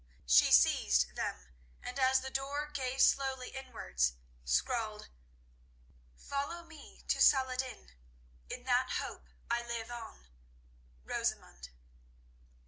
She seized them, and as the door gave slowly inwards, scrawled: "Follow me to Saladin. In that hope I live on.—Rosamund."